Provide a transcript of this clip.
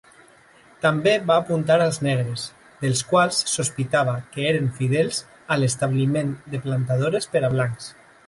També va apuntar als negres dels quals sospitava que eren fidels a l'establiment de plantadores per a blancs.